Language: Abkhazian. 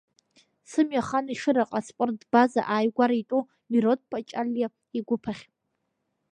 Сымҩа хан Ешыраҟа аспортбаза ааигәара итәоу Мирод Ԥачалиа игәыԥ ахь.